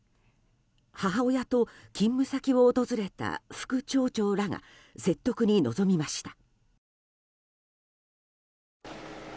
母親と勤務先を訪れた副町長らが説得に臨みました。